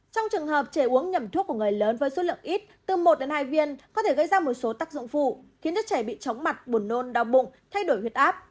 trong trường hợp trẻ uống nhầm thuốc của người lớn với số lượng ít từ một hai viên có thể gây ra một số tác dụng phụ khiến đứa trẻ bị chóng mặt buồn nôn đau bụng thay đổi huyết áp